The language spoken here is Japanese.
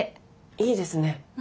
いいですね。